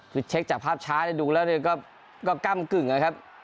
คือเช็คจากภาพช้าดูแล้วก็ก้ำกึ่งนะครับ